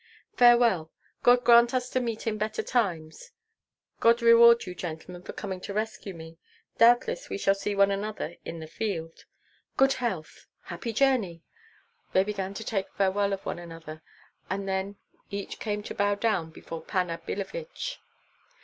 "Farewell! God grant us to meet in better times!" "God reward you, gentlemen, for coming to rescue me. Doubtless we shall see one another in the field." "Good health!" "Happy journey!" They began to take farewell of one another, and then each came to bow down before Panna Billevich.